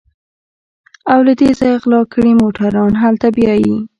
او له دې ځايه غلا کړي موټران هلته بيايي.